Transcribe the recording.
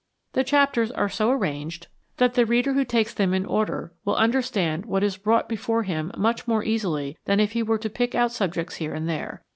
The chapters are so arranged that the reader who 201907 PREFACE takes them in order will understand what is brought before him much more easily than if he were to pick out subjects here and there.